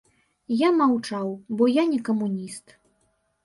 Я маўчаў, бо я не камуніст.